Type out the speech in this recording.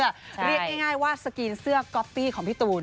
เรียกง่ายว่าสกรีนเสื้อก๊อปปี้ของพี่ตูน